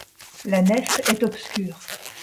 La nef est obscure.